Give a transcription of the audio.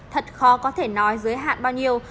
thật khó có thể nói dưới hạn bao nhiêu